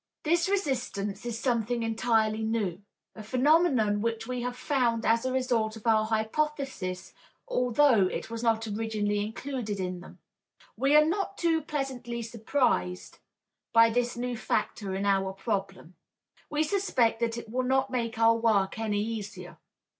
This resistance is something entirely new, a phenomenon which we have found as a result of our hypotheses although it was not originally included in them. We are not too pleasantly surprised by this new factor in our problem. We suspect that it will not make our work any easier.